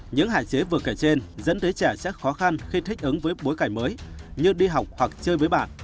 những hạn chế vừa kể trên dẫn tới trẻ sẽ khó khăn khi thích ứng với bối cảnh mới như đi học hoặc chơi với bạn